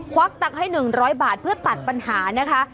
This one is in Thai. วักตังค์ให้๑๐๐บาทเพื่อตัดปัญหานะคะ